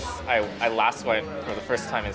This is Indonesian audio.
saya terakhir mencoba ini pertama kali tujuh tahun lalu